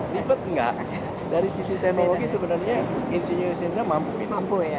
ribet enggak dari sisi teknologi sebenarnya insinyur insinyurnya mampu